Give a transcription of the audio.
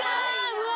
うわ。